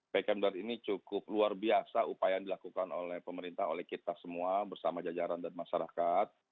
pkm darurat ini cukup luar biasa upaya yang dilakukan oleh pemerintah oleh kita semua bersama jajaran dan masyarakat